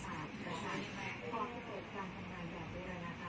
และก็ไม่เรียกว่าว่าขี่จากคนอะไร